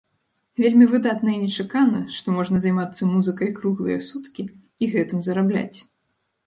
Вельмі выдатна і нечакана, што можна займацца музыкай круглыя суткі і гэтым зарабляць.